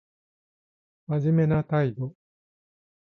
真面目な態度